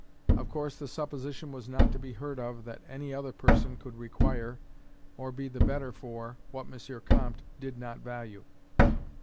Of course the supposition was not to be heard of that any other person could require, or be the better for, what M. Comte did not value.